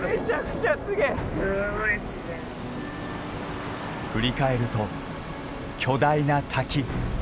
振り返ると巨大な滝。